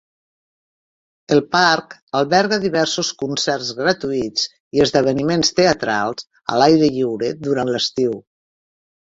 El parc alberga diversos concerts gratuïts i esdeveniments teatrals a l'aire lliure durant l'estiu.